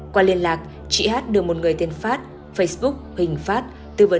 qua liên lạc chị hát được một người tên phát facebook hình phát tư vấn